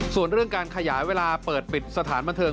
ส่วนเรื่องการขยายเวลาเปิดปิดสถานบันเทิง